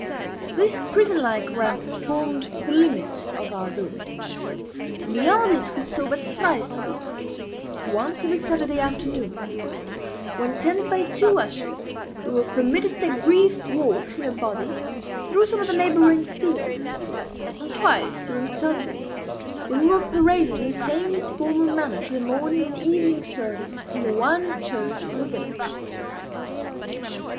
This prison like rampart formed the limit of our domain; beyond it we saw but thrice a week once every Saturday afternoon, when, attended by two ushers, we were permitted to take brief walks in a body through some of the neighboring fields and twice during Sunday, when we were paraded in the same formal manner to the morning and evening service in the one church of the village.